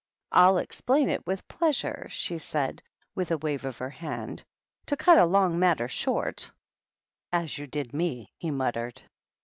" I'll explain it with pleasure," she said, with a wave of her hand. "To cut a long matter short " "As you did me," he muttered.